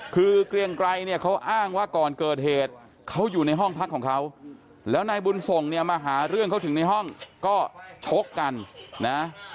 คือเกรียงไกรเนี่ยเขาอ้างว่าก่อนเกิดเหตุเขาอยู่ในห้องพักของเขาแล้วนายบุญส่งเนี่ยมาหาเรื่องเขาถึงในห้องก็ชกกันนะ